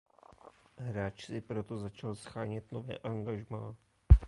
Hráč si proto začal shánět nové angažmá.